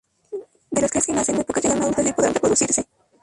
De las crías que nacen, muy pocas llegarán a adultas y podrán reproducirse.